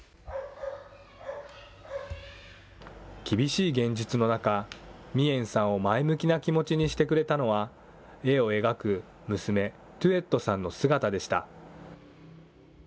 厳しい現実の中、ミエンさんを前向きな気持ちにさせてくれたのは、絵を描く娘、トゥエットさんの姿でした。